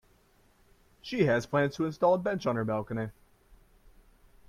She plans to install a bench on her balcony.